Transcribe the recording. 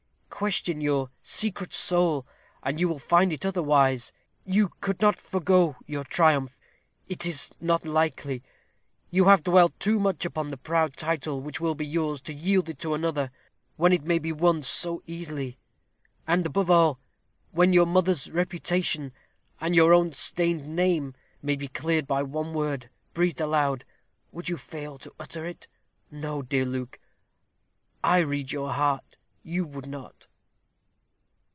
Question your secret soul, and you will find it otherwise. You could not forego your triumph; it is not likely. You have dwelt too much upon the proud title which will be yours to yield it to another, when it may be won so easily. And, above all, when your mother's reputation, and your own stained name, may be cleared by one word, breathed aloud, would you fail to utter it? No, dear Luke, I read your heart; you would not."